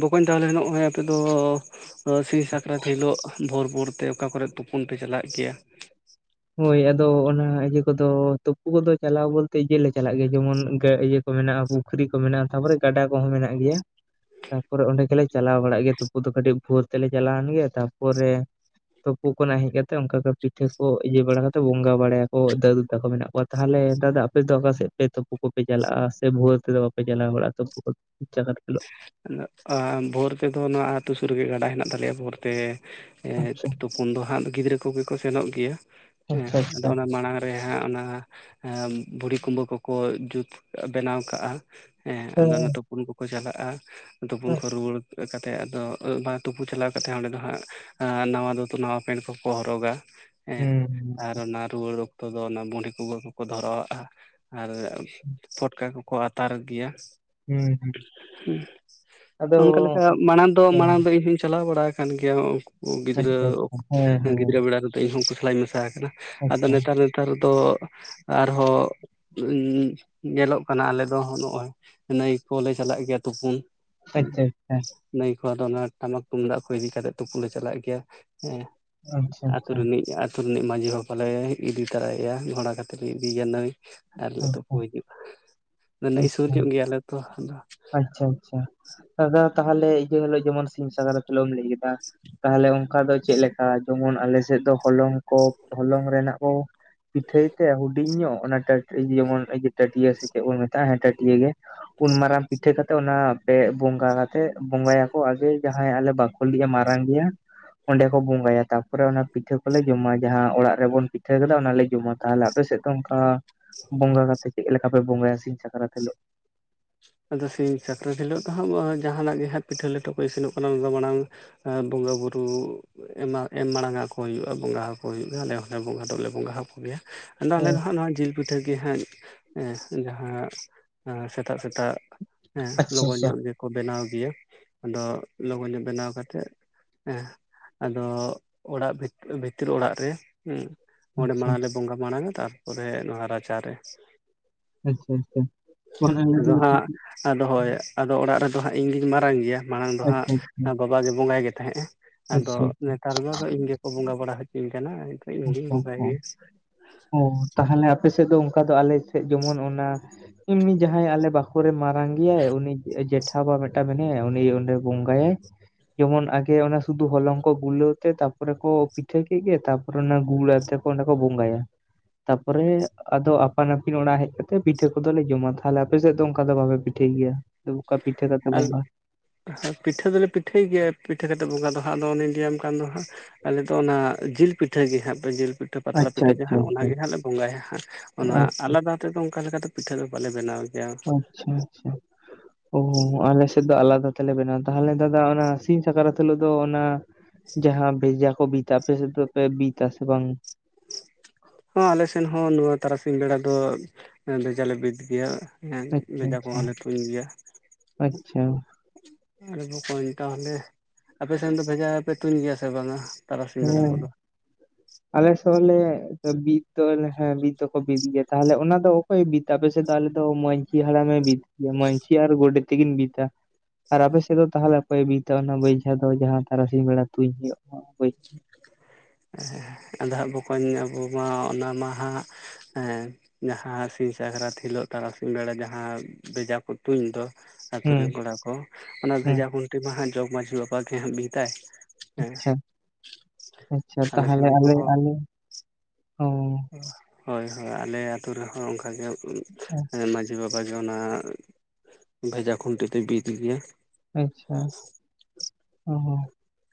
ᱵᱚᱠᱚᱧ ᱛᱟᱦᱚᱞᱮ ᱱᱚᱜᱼᱚᱭ ᱟᱯᱮ ᱫᱚᱻ ᱥᱤᱧ ᱥᱟᱠᱨᱟᱛ ᱦᱤᱞᱳᱜ ᱵᱷᱳᱨ ᱵᱷᱳᱨ ᱛᱮ ᱚᱠᱟ ᱠᱚᱨᱮᱫ ᱛᱩᱯᱩᱱ ᱯᱮ ᱪᱟᱞᱟᱜ ᱜᱮᱭᱟ? ᱦᱳᱭ ᱟᱫᱚ ᱚᱱᱟ ᱤᱭᱟᱹ ᱠᱚᱫᱚ ᱛᱩᱯᱩ ᱠᱚᱫᱚ ᱪᱟᱞᱟᱣ ᱵᱚᱞᱛᱮ ᱤᱭᱟᱹ ᱞᱮ ᱪᱟᱞᱟᱜ ᱜᱮᱭᱟ ᱡᱮᱢᱚᱱ ᱜᱟᱹ ᱤᱭᱟᱹ ᱠᱚ ᱢᱮᱱᱟᱜᱼᱟ, ᱯᱩᱠᱷᱨᱤ ᱠᱚ ᱢᱮᱱᱟᱜᱼᱟ, ᱛᱟᱯᱚᱨᱮ ᱜᱟᱰᱟ ᱠᱚᱦᱚᱸ ᱢᱮᱱᱟᱜ ᱜᱮᱭᱟ᱾ ᱛᱟᱯᱚᱨᱮ ᱚᱸᱰᱮ ᱜᱮᱞᱮ ᱪᱟᱞᱟᱣ ᱵᱟᱲᱟᱜ ᱜᱮᱭᱟ ᱛᱩᱯᱩ ᱫᱚ᱾ ᱠᱟᱹᱴᱤᱡ ᱵᱷᱳᱨ ᱛᱮᱞᱮ ᱪᱟᱞᱟᱣᱮᱱ ᱜᱮᱭ ᱛᱟᱯᱚᱨᱮ ᱛᱳᱯᱳ ᱠᱷᱚᱱᱟᱜ ᱦᱮᱡ ᱠᱟᱛᱮ ᱚᱱᱠᱟ ᱠᱟ ᱯᱤᱴᱷᱟᱹ ᱠᱚ ᱤᱭᱟᱹ ᱵᱟᱲᱟ ᱠᱟᱛᱮ ᱵᱚᱸᱜᱟ ᱵᱟᱲᱟᱭᱟ ᱠᱚ ᱫᱟᱹᱫᱩ ᱛᱟᱠᱚ ᱢᱮᱱᱟᱜ ᱠᱚᱣᱟ, ᱛᱟᱦᱚᱞᱮ ᱱᱮᱛᱟᱨ ᱫᱚ ᱟᱯᱮ ᱫᱚ ᱚᱠᱟ ᱥᱮᱫ ᱯᱮ ᱛᱳ ᱯᱳ ᱠᱚᱯᱮ ᱪᱟᱞᱟᱜᱼᱟ ᱥᱮ ᱵᱷᱳᱣᱟᱹ ᱛᱮᱫᱚ ᱵᱟᱯᱮ ᱪᱟᱞᱟᱣ ᱵᱟᱲᱟᱜᱼᱟ ᱛᱳᱯᱳ [inaudible] ᱟᱫᱚ ᱟ ᱵᱷᱳᱨ ᱛᱮᱫᱚ ᱱᱚᱣᱟ ᱟᱹᱛᱩ ᱥᱩᱨ ᱨᱮᱜᱮ ᱜᱟᱰᱟ ᱦᱮᱱᱟᱜ ᱛᱟᱞᱮᱭᱟ ᱵᱷᱳᱨ ᱛᱮ ᱮᱫ ᱟᱪᱪᱷᱟ ᱛᱩ ᱯᱩᱱ ᱫᱚ ᱦᱟᱸᱜ ᱜᱤᱫᱽᱨᱟᱹ ᱠᱚᱜᱮ ᱠᱚ ᱥᱮᱱᱚᱜ ᱜᱮᱭᱟ᱾ ᱦᱮᱸ ᱟᱪᱪᱷᱟ ᱟᱫᱚ ᱟᱪᱪᱷᱟ ᱚᱱᱟ ᱢᱟᱲᱟᱝ ᱦᱳᱭ ᱦᱟᱸᱜ ᱚᱱᱟ ᱮ ᱵᱷᱩᱲᱤ ᱠᱩᱢᱵᱟᱹ ᱠᱚᱠᱚ ᱡᱩᱛ ᱵᱮᱱᱟᱣ ᱠᱟᱜᱼᱟ᱾ ᱦᱮᱸ ᱟᱫᱚ ᱚᱱᱟ ᱛᱩᱯᱩᱱ ᱠᱚᱠᱚ ᱪᱟᱞᱟᱜᱼᱟ, ᱛᱩᱯᱩᱱ ᱠᱚ ᱨᱩᱭᱣᱟᱹᱲ ᱠᱟᱛᱮ ᱟᱫᱚ ᱟᱹᱜ ᱵᱟ ᱛᱩᱯᱩ ᱪᱟᱞᱟᱣ ᱠᱟᱛᱮᱫ ᱚᱸᱰᱮ ᱫᱚ ᱦᱟᱸᱜ ᱱᱟᱣᱟ ᱫᱩᱛᱚ ᱱᱟᱣᱟ ᱯᱮᱱᱴ ᱠᱚᱠᱚ ᱦᱚᱨᱚᱜᱟ ᱾ ᱦᱮᱸ ᱦᱩᱸ ᱟᱨ ᱚᱱᱟ ᱨᱩᱣᱟᱹᱲ ᱚᱠᱛᱚ ᱫᱚ ᱚᱱᱟ ᱵᱩᱸᱰᱤ ᱠᱚᱜᱮ ᱠᱚᱠᱚ ᱫᱷᱚᱨᱟᱣᱟᱜᱼᱟ᱾ ᱟᱨ ᱯᱷᱚᱴᱠᱟ ᱠᱚᱠᱚ ᱟᱛᱟᱨ ᱜᱮᱭᱟ᱾ ᱦᱩᱸ ᱦᱩᱸ ᱾ ᱚᱱᱠᱟ ᱞᱮᱠᱟ ᱢᱟᱲᱟᱝ ᱫᱚ, ᱢᱟᱲᱟᱝ ᱫᱚ ᱤᱧ ᱦᱚᱧ ᱪᱟᱞᱟᱣ ᱵᱟᱲᱟ ᱟᱠᱟᱱ ᱜᱮᱭᱟ᱾ ᱚ ᱜᱤᱫᱽᱨᱟᱹ ᱚᱠ ᱦᱮᱸ ᱜᱤᱫᱽᱨᱟᱹ ᱵᱮᱲᱟ ᱨᱮᱫᱚ ᱤᱧᱦᱚᱸ ᱩᱝᱠᱩ ᱥᱟᱞᱟᱜ ᱤᱧ ᱢᱮᱥᱟ ᱟᱠᱟᱱᱟ᱾ ᱟᱫᱚ ᱟᱪᱪᱷᱟ ᱱᱮᱛᱟᱨ ᱱᱮᱛᱟᱨ ᱫᱚ ᱟᱨᱦᱚᱸ [inaudible] ᱧᱮᱞᱚᱜ ᱠᱟᱱᱟ ᱟᱞᱮ ᱫᱚ ᱦᱚ ᱱᱚᱜᱼᱚᱭ ᱱᱟᱹᱭ ᱠᱚᱞᱮ ᱪᱟᱞᱟᱜ ᱜᱮᱭᱟ ᱛᱩᱯᱩᱱ᱾ ᱟᱪᱪᱷᱟ ᱟᱪᱪᱷᱟ ᱾ ᱱᱟᱹᱭ ᱠᱚ ᱟᱫᱚ ᱚᱱᱟ ᱴᱟᱢᱟᱠ ᱛᱩᱢᱫᱟᱜ ᱠᱚ ᱤᱫᱤ ᱠᱟᱛᱮᱜ ᱛᱩᱯᱩᱞ ᱞᱮ ᱪᱟᱞᱟᱜ ᱜᱮᱭᱟ, ᱦᱮᱸ ᱟᱪᱪᱷᱟ ᱾ ᱟᱹᱛᱳ ᱨᱤᱱᱤᱡ ᱟᱨ ᱟᱛᱳ ᱨᱤᱱᱤᱡ ᱢᱟᱺᱡᱷᱤ ᱵᱟᱵᱟᱞᱮ ᱤᱫᱤ ᱛᱟᱨᱟᱭ ᱭᱟ ᱜᱷᱚᱲᱟ ᱠᱟᱛᱮᱫ ᱞᱮ ᱤᱫᱤᱭᱟ ᱱᱟᱹᱭ ᱾ ᱟᱨᱞᱮ ᱛᱳᱯᱳ ᱟᱪᱪᱷᱟ ᱦᱤᱡᱩᱜᱼᱟ, ᱟᱫᱚ ᱟᱪᱪᱷᱟ ᱱᱟᱹᱭ ᱥᱩᱨ ᱟᱪᱪᱷᱟ ᱧᱚᱜ ᱜᱮᱭᱟᱞᱮ ᱛᱚ ᱟᱫᱚ᱾ ᱟᱪᱪᱷᱟ ᱟᱪᱪᱷᱟ, ᱫᱟᱫᱟ ᱛᱟᱦᱚᱞᱮ ᱤᱭᱟᱹ ᱦᱤᱞᱳᱜ ᱡᱮᱢᱚᱱ ᱥᱤᱢ ᱥᱟᱠᱨᱟᱛ ᱦᱤᱞᱳᱜ ᱮᱢ ᱞᱟᱹᱭ ᱠᱮᱫᱟ ᱛᱟᱦᱚᱞᱮ ᱚᱝᱠᱟ ᱫᱚ ᱪᱮᱫ ᱞᱮᱠᱟ? ᱡᱮᱢᱚᱱ ᱟᱞᱮ ᱥᱮᱫ ᱫᱚ ᱦᱚᱞᱚᱝ ᱠᱚ ᱦᱚᱞᱚᱝ ᱨᱮᱱᱟᱜ ᱠᱚ ᱯᱤᱴᱷᱟᱹᱭ ᱛᱮ ᱦᱩᱰᱤᱧ ᱧᱚᱜ ᱚᱱᱟ ᱴᱟᱹᱴ ᱡᱮᱢᱚᱱ ᱤᱭᱟᱹ ᱴᱟᱹᱴᱤᱭᱟ ᱥᱮ ᱪᱮᱫ ᱵᱚᱱ ᱢᱮᱛᱟᱜᱼᱟ! ᱦᱮᱸ ᱴᱟᱹᱴᱤᱭᱟ ᱜᱮ ᱾ ᱩᱱᱢᱟᱨᱟᱝ ᱯᱤᱴᱷᱟᱹ ᱠᱟᱛᱮᱜ ᱚᱱᱟ ᱯᱮ ᱵᱚᱸᱜᱟ ᱠᱟᱛᱮᱜ ᱵᱚᱸᱜᱟᱭᱟ ᱠᱚ ᱟᱜᱮ ᱡᱟᱦᱟᱸ ᱟᱞᱮ ᱵᱟ [unintelligible] ᱢᱟᱨᱟᱝ ᱜᱮᱭᱟ᱾ ᱚᱸᱰᱮ ᱠᱚ ᱵᱚᱸᱜᱟᱭᱟ, ᱛᱟᱯᱚᱨᱮ ᱚᱱᱟ ᱯᱤᱴᱷᱟᱹ ᱠᱚᱞᱮ ᱡᱚᱢᱟ, ᱡᱟᱦᱟᱸ ᱚᱲᱟᱜ ᱨᱮᱵᱚᱱ ᱯᱤᱴᱷᱟᱹ ᱠᱟᱫᱟ ᱚᱱᱟᱞᱮ ᱡᱚᱢᱟ ᱾ ᱛᱟᱦᱚᱞᱮ ᱟᱯᱮ ᱥᱮᱫ ᱫᱚ ᱚᱝᱠᱟ ᱵᱚᱸᱜᱟ ᱠᱟᱛᱮᱜ ᱪᱮᱫ ᱞᱮᱠᱟ ᱯᱮ ᱵᱚᱸᱜᱟᱭᱟ ᱥᱤᱢ ᱥᱟᱠᱨᱟᱛ ᱦᱤᱞᱳᱜ? ᱟᱫᱚ ᱥᱤᱧ ᱥᱟᱠᱨᱟᱛ ᱦᱤᱞᱳᱜ ᱫᱚ ᱦᱟᱜ ᱡᱟᱦᱟᱱᱟᱜ ᱜᱮ ᱦᱟᱸᱜ ᱯᱤᱴᱷᱟᱹ ᱞᱮᱴᱚ ᱠᱚ ᱤᱥᱤᱱᱚᱜ ᱠᱟᱱᱟ ᱚᱱᱟ ᱫᱚ ᱢᱟᱲᱟᱝ ᱮᱸ ᱵᱚᱸᱜᱟᱼ ᱵᱩᱨᱩ ᱮᱢᱟ ᱮᱢ ᱢᱟᱲᱟᱝ ᱟᱠᱚ ᱦᱩᱭᱩᱜᱼᱟ ᱵᱚᱸᱜᱟ ᱟᱠᱚ ᱦᱩᱭᱩᱜᱼᱟ ᱟᱞᱮ ᱦᱚᱸᱞᱮ ᱵᱚᱸᱜᱟ ᱫᱚᱞᱮ ᱵᱚᱸᱜᱟ ᱦᱟᱠᱚ ᱜᱮᱭᱟ᱾ ᱟᱫᱚ ᱟᱞᱮ ᱫᱚ ᱚ ᱦᱟᱸᱜ ᱱᱚᱣᱟ ᱡᱤᱞ ᱯᱤᱴᱷᱟᱹ ᱜᱮ ᱦᱟᱸᱜ ᱮᱸ ᱡᱟᱦᱟᱸ ᱥᱮᱛᱟᱜ ᱥᱮᱛᱟᱜ ᱦᱮᱸ ᱟᱪᱪᱷᱟ ᱞᱚᱜᱚᱱ ᱟᱪᱪᱷᱟ ᱧᱚᱜ ᱜᱮᱠᱚ ᱵᱮᱱᱟᱣ ᱜᱮᱭᱟ, ᱟᱫᱚ ᱞᱚᱜᱚᱱ ᱧᱚᱜ ᱵᱮᱱᱟᱣ ᱠᱟᱛᱮᱫ ᱮᱸ ᱟᱫᱚ ᱚᱲᱟᱜ ᱵᱷᱤᱛ-ᱵᱷᱤᱛᱤᱨ ᱚᱲᱟᱜ ᱨᱮ ᱩᱸ ᱚᱸᱰᱮ ᱟᱪᱪᱷᱟ ᱢᱟᱲᱟᱝ ᱞᱮ ᱵᱚᱸᱜᱟ ᱢᱟᱲᱟᱝᱼᱟ, ᱛᱟᱨᱯᱚ ᱨᱮ ᱱᱚᱣᱟ ᱨᱟᱪᱟ ᱨᱮ᱾ ᱟᱪᱪᱷᱟ ᱟᱪᱪᱷᱟ, ᱵᱟᱠᱷᱟᱱ ᱟᱞᱮᱫᱚ ᱟᱫᱚ [inaudible] ᱦᱟᱸᱜ ᱟᱫᱚ ᱦᱳᱭ ᱟᱫᱚ ᱚᱲᱟᱜ ᱨᱮᱫᱚ ᱦᱟᱸᱜ ᱤᱧ ᱜᱤᱧ ᱢᱟᱨᱟᱝ ᱜᱮᱭᱟ, ᱢᱟᱲᱟᱝ ᱫᱚ ᱦᱟᱸᱜ ᱟᱪᱪᱷᱟ ᱵᱟᱵᱟᱜᱮ ᱵᱚᱸᱜᱟᱭ ᱜᱮ ᱛᱟᱦᱮᱸᱜᱼᱮ ᱾ ᱟᱫᱚ ᱟᱪᱪᱷᱟ ᱱᱮᱛᱟᱨ ᱫᱚ ᱤᱧ ᱜᱮᱠᱚ ᱵᱚᱸᱜᱟ ᱵᱟᱲᱟ ᱦᱚᱪᱚᱧ ᱠᱟᱱᱟ᱾ ᱤᱧᱜᱤᱧ ᱵᱚᱸᱜᱟᱭ ᱜᱮᱭᱟ [inaudible] ᱚ ᱛᱟᱦᱟᱞᱮ ᱟᱯᱮ ᱥᱮᱫ ᱫᱚ ᱚᱱᱠᱟ ᱫᱚ ᱟᱞᱮ ᱥᱮᱫ ᱡᱮᱢᱚᱱ ᱚᱱᱟ, ᱮᱢᱱᱤ ᱡᱟᱦᱟᱸᱭ ᱟᱞᱮ ᱵᱟᱠᱷᱳᱞ ᱨᱮ ᱢᱟᱨᱟᱝ ᱜᱮᱭᱟᱭ ᱩᱱᱤ ᱡᱮᱴ ᱴᱷᱟᱵᱟ ᱢᱤᱫᱴᱟᱝ ᱢᱮᱭᱟᱭᱟ ᱩᱱᱤ ᱚᱸᱰᱮ ᱵᱚᱸᱜᱟᱭᱼᱟᱭ ᱾ ᱡᱮᱢᱚᱱ ᱟᱜᱮ ᱚᱱᱟ ᱥᱩᱫᱷᱩ ᱦᱚᱞᱚᱝ ᱠᱚ ᱜᱩᱞᱟᱹᱣ ᱛᱮ ᱛᱟᱯᱚᱨᱮ ᱠᱚ ᱯᱤᱴᱷᱟᱹ ᱠᱮᱜ ᱜᱮ ᱛᱟᱵ ᱨᱚᱱᱮ ᱜᱩᱲ ᱟᱛᱮ ᱠᱚ ᱚᱱᱟ ᱠᱚ ᱵᱚᱸᱜᱟ-ᱭᱟ᱾ ᱛᱟᱯᱚᱨᱮ ᱟᱫᱚ ᱟᱯᱟᱱ ᱟᱹᱯᱤᱱ ᱚᱲᱟᱜ ᱦᱮᱡ ᱠᱟᱛᱮ ᱯᱤᱴᱷᱟᱹ ᱠᱚᱫᱚᱞᱮ ᱡᱚᱢᱼ ᱟ᱾ ᱛᱟᱦᱞᱮ ᱟᱯᱮ ᱥᱮᱫ ᱫᱚ ᱚᱱᱠᱟ ᱫᱚ ᱵᱟᱯᱮ ᱯᱤᱴ ᱴᱷᱟᱹᱭ ᱜᱮᱭᱟ ᱚᱠᱟ ᱯᱤᱴᱷᱟᱹ ᱠᱟᱛᱮ ᱟᱨ ᱵᱚᱸᱜᱟ᱾ ᱯᱤᱴᱷᱟᱹ ᱫᱚᱞᱮ ᱯᱤᱴᱷᱟᱹᱭ ᱜᱮᱭᱟ ᱯᱤᱴᱷᱟᱹ ᱠᱟᱛᱮᱫᱜ ᱵᱚᱸᱜᱟ ᱫᱚ ᱦᱟᱸᱜ ᱟᱫᱚ ᱚᱱᱮᱧ ᱞᱟᱹᱭᱟᱢ ᱠᱟᱱ ᱫᱚ ᱦᱟᱸᱜ, ᱟᱞᱮ ᱫᱚ ᱚᱱᱟ ᱡᱤᱞ ᱯᱤᱴᱷᱟᱹ ᱜᱮ ᱦᱟᱸᱜ [unintelligible] ᱡᱤᱞ ᱯᱤᱴ [unintelligible] ᱯᱟᱛᱲᱟ ᱟᱪᱪᱷᱟ ᱯᱤᱴᱷᱟᱹ ᱟᱪᱪᱷᱟ ᱡᱟᱦᱟᱸ ᱚᱱᱟ ᱟᱪᱪᱷᱟ ᱜᱮ ᱦᱟᱸᱜ ᱞᱮ ᱵᱚᱸᱜᱟ ᱦᱟᱸᱜ ᱚᱱᱟ ᱟᱪᱪᱷᱟ ᱟᱞᱟᱫᱟ᱾ ᱛᱮᱫᱚ ᱚᱝᱠᱟᱞᱮᱠᱟ ᱫᱚ ᱯᱤᱴᱷᱟᱹ ᱫᱚ ᱵᱟᱞᱮ ᱵᱮᱱᱟᱣ᱾ ᱜᱮᱭᱟ ᱟᱪᱪᱷᱟ ᱟᱪᱪᱷᱟ ᱚ ᱟᱞᱮ ᱥᱮᱫ ᱫᱚ ᱟᱞᱟᱫᱟ ᱛᱮᱞᱮ ᱵᱮᱱᱟᱣᱟ ᱛᱟᱦᱟᱞᱮ ᱫᱟᱫᱟ ᱚᱱᱟ ᱥᱤᱧ ᱥᱟᱠᱨᱟᱛ ᱦᱮᱞᱳᱜ ᱫᱚ ᱚᱱᱟ ᱡᱟᱦᱟᱸ ᱵᱷᱮᱡᱟ ᱠᱚ ᱵᱤᱫᱟ ᱟᱯᱮ ᱥᱮᱫ ᱫᱚᱯᱮ ᱵᱤᱫᱟ ᱥᱮ ᱵᱟᱝ? ᱦᱚᱸ ᱟᱞᱮᱥᱮᱱ ᱦᱚᱸ ᱱᱚᱣᱟ ᱛᱟᱨᱟᱥᱤᱧ ᱵᱮᱲᱟ ᱫᱚ ᱵᱷᱮᱡᱟᱞᱮ ᱵᱤᱫ ᱜᱮᱭᱟ᱾ ᱦᱮ ᱟᱪᱪᱷᱟ ᱵᱷᱮᱡᱟ ᱟᱪᱪᱷᱟ ᱠᱚᱦᱚᱸ ᱞᱮ ᱛᱩᱧ ᱜᱮᱭᱟ᱾ ᱟᱪᱪᱷᱟ ᱮ ᱵᱚᱠᱚᱧ ᱛᱟᱦᱞᱮ ᱟᱯᱮ ᱥᱮᱱ ᱫᱚ ᱵᱷᱮᱡᱟ ᱯᱮ ᱛᱩᱧ ᱜᱮᱭᱟ ᱥᱮ ᱵᱟᱝᱼᱟ? ᱦᱮᱸ [inaudible] [unintelligible] ᱵᱤᱫ ᱫᱚᱞᱮ ᱦᱮᱸ ᱵᱤᱫ ᱫᱚᱠᱚ ᱵᱤᱫ ᱜᱮᱭᱟ, ᱛᱟᱦᱚᱞᱮ ᱚᱱᱟ ᱫᱚ ᱚᱠᱚᱭ-ᱮ ᱵᱤᱫᱼᱟ ᱯᱮᱥᱮᱫ ᱫᱚ? ᱟᱞᱮ ᱫᱚ ᱢᱟᱺᱡᱷᱤ ᱦᱟᱲᱟᱢ-ᱮ ᱵᱤᱫ ᱢᱟᱺᱡᱷᱤ ᱟᱨ ᱜᱳᱰᱮᱛ ᱛᱤᱠᱤᱱ ᱵᱤᱛᱟ ᱾ ᱟᱨ ᱟᱯᱮ ᱥᱮᱫ ᱫᱚ ᱛᱟᱦᱚᱞᱮ ᱚᱠᱚᱭ-ᱮ ᱵᱤᱛᱟ ᱚᱱᱟ ᱵᱮᱭᱡᱷᱟ ᱫᱚ ᱡᱟᱦᱟᱸ ᱛᱟᱨᱟ ᱥᱤᱧ ᱵᱮᱲᱟ ᱛᱩᱧ ᱦᱩᱭᱩᱜᱼᱟ ᱦᱳᱭ᱾ [unintelligible] ᱟᱫᱚ ᱦᱟᱸᱜ ᱵᱚᱠᱚᱧ ᱟᱵᱩ ᱢᱟ ᱚᱱᱟ ᱢᱟ ᱦᱟᱸᱜ, ᱦᱮᱸ ᱡᱟᱦᱟᱸ ᱥᱤᱧ ᱥᱟᱠᱨᱟᱛ ᱦᱤᱞᱳᱜ ᱛᱟᱨᱟᱥᱤᱧ ᱵᱮᱲᱟ ᱡᱟᱦᱟᱸ ᱵᱮᱡᱟ ᱠᱚ ᱛᱩᱧ ᱫᱚ, ᱟᱹᱛᱩ ᱨᱮᱱ ᱦᱩᱸ ᱠᱚᱲᱟ ᱠᱚ ᱚᱱᱟ ᱦᱩᱸ ᱵᱷᱮᱡᱟ ᱠᱷᱩᱱᱴᱤ ᱢᱟ ᱦᱟᱸᱜ ᱡᱚᱜᱽ ᱢᱟᱹᱡᱷᱤ ᱵᱟᱵᱟ ᱜᱮ ᱦᱟᱜ ᱵᱤᱫᱟᱭ᱾ ᱦᱮᱸ ᱟᱪᱪᱷᱟ ᱟᱪᱪᱷᱟ ᱥᱮᱱ ᱛᱟᱦᱟᱞᱮ ᱦᱚᱸ ᱟᱞᱮ ᱟᱞᱮ ᱚ, ᱚ ᱦᱳᱭ ᱦᱳᱭ ᱟᱞᱮ ᱟᱛᱩ ᱨᱮᱦᱚᱸ ᱚᱱᱠᱟᱜᱮ ᱮ ᱢᱟᱺᱡᱷᱤ ᱵᱟᱵᱟ, ᱵᱟᱡᱷᱚᱱᱟᱜ ᱵᱷᱮᱡᱟ ᱠᱷᱩᱱᱴᱤ ᱫᱚᱭ ᱵᱤᱫ ᱜᱮᱭᱟ᱾ ᱟᱪᱪᱷᱟ ᱚ ᱦᱚ,